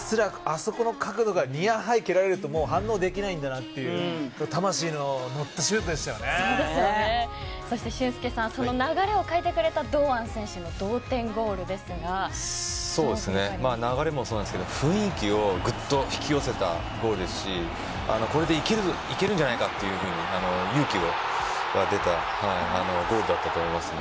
そこの角度がニアハイ蹴られると反応できないだなという俊輔さん、流れを変えてくれたそうですね、流れもそうですが雰囲気をぐっと引き寄せたゴールですしこれでいけるんじゃないかというふうに勇気が出たゴールだったと思いますね。